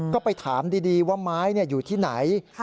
ก็ไปถามดีว่าไม้อยู่ที่ไหน